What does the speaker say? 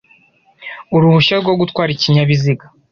uruhushya rwo gutwara ikinyabiziga